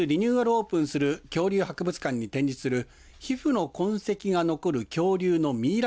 オープンする恐竜博物館に展示する皮膚の痕跡が残る恐竜のミイラ